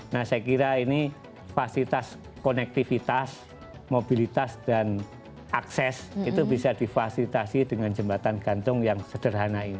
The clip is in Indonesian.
nah saya kira ini fasilitas konektivitas mobilitas dan akses itu bisa difasilitasi dengan jembatan gantung yang sederhana ini